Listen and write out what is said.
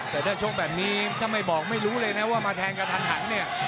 แต่ถ้าชกแบบนี้ถ้าไม่บอกไม่รู้เลยนะว่ามาแทงกระทันหันเนี่ย